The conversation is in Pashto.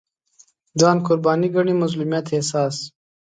ځان قرباني ګڼي مظلومیت احساس